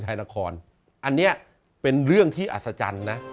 อันนี้เป็นเรื่องที่อัศจรรย์นะ